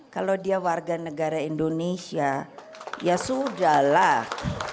kalau dia warga negara indonesia ya sudah lah